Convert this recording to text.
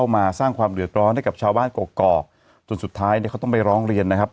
มาสร้างความเดือดร้อนให้กับชาวบ้านกรอกจนสุดท้ายเนี่ยเขาต้องไปร้องเรียนนะครับ